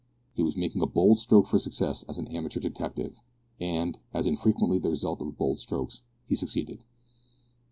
He was making a bold stroke for success as an amateur detective, and, as is frequently the result of bold strokes, he succeeded.